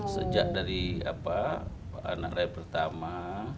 sejak dari anak raya pertama